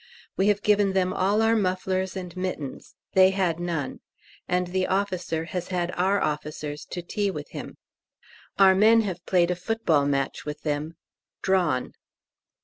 We have given them all our mufflers and mittens; they had none, and the officer has had our officers to tea with him. Our men have played a football match with them drawn.